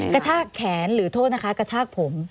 กระชากแขนหรือกระชากผม